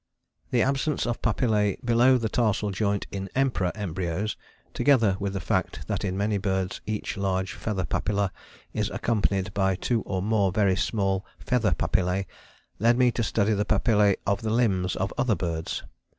"The absence of papillae below the tarsal joint in Emperor embryos, together with the fact that in many birds each large feather papilla is accompanied by two or more very small feather papillae, led me to study the papillae of the limbs of other birds.